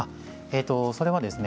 それはですね